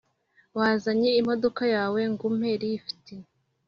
Wazanye imodoka yawe ngume rifuti